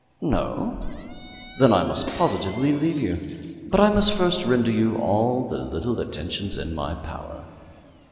No? Then I must positively leave you. But I must first render you all the little attentions in my power."